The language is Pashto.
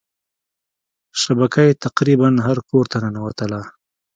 شبکه یې تقريبا هر کورته ننوتله.